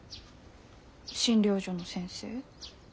診療所の先生。